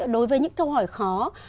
đối với những câu hỏi khó